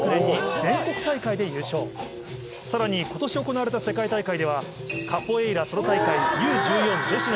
さらに今年行われた世界大会ではカポエイラソロ大会 Ｕ ー１４女子の部で